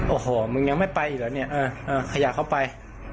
โอ้โหมึงยังไม่ไปอีกเหรอเนี่ยขยะเข้าไป